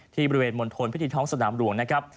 บริเวณมณฑลพิธีท้องสนามหลวงนะครับ